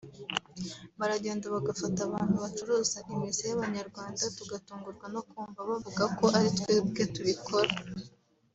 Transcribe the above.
Baragenda bagafata abantu bacuruza imizi y’abanyarwanda tugatungurwa no kumva bavuga ko ari twebwe tubikora”